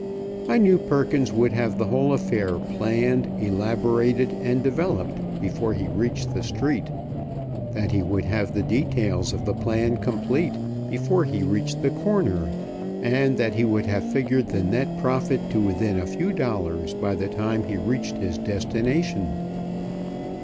I knew Perkins would have the whole affair planned, elaborated, and developed before he reached the street; that he would have the details of the plan complete before he reached the corner; and that he would have figured the net profit to within a few dollars by the time he reached his destination.